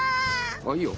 あっいいよ。